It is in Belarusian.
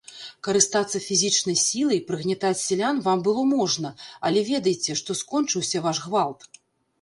Карыстацца фізічнай сілай, прыгнятаць сялян вам было можна, але ведайце, што скончыўся ваш гвалт!